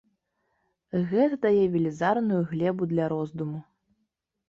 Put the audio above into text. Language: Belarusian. Гэта дае велізарную глебу для роздуму.